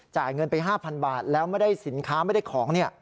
จ่ายเงินไป๕๐๐บาทแล้วไม่ได้สินค้าไม่ได้ของ